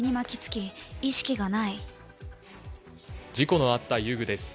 事故のあった遊具です。